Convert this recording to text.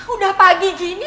udah pagi gini